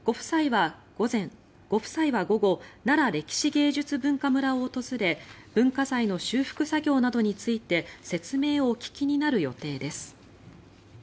ご夫妻は午後なら歴史芸術文化村を訪れ文化財の修復作業などについて説明をお聞きになる予定です。